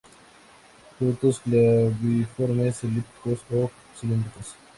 Frutos claviformes, elípticos o cilíndricos.